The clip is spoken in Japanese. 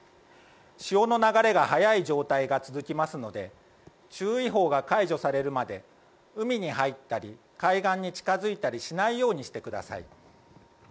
潮の流れが速い状態が続きますので注意報が解除されるまで海に入ったり海岸に近付いたりしないようにしてください。